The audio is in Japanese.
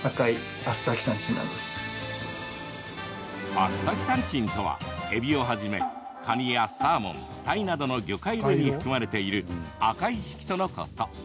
アスタキサンチンとはえびをはじめ、カニやサーモン鯛などの魚介類に含まれている赤い色素のこと。